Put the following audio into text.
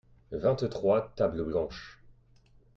vingt trois tables blanches.